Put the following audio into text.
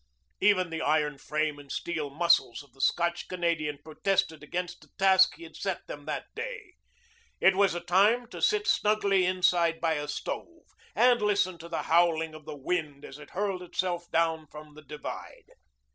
Even the iron frame and steel muscles of the Scotch Canadian protested against the task he had set them that day. It was a time to sit snugly inside by a stove and listen to the howling of the wind as it hurled itself down from the divide.